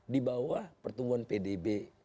di bawah pertumbuhan pdb